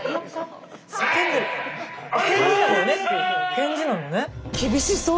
返事なのね。